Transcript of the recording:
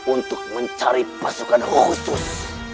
untuk mencari pasukan khusus